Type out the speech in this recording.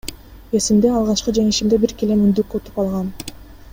Эсимде, алгачкы жеңишимде бир килем, үндүк утуп алгам.